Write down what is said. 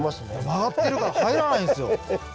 曲がってるから入らないんすよ。